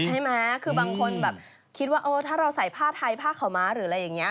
ใช่ไหมคือบางคนแบบคิดว่าเออถ้าเราใส่ผ้าไทยผ้าขาวม้าหรืออะไรอย่างนี้